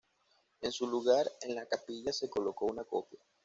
En su lugar en la capilla se colocó una copia.